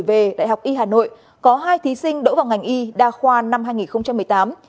về đại học y hà nội có hai thí sinh đỗ vào ngành y đa khoa năm hai nghìn một mươi tám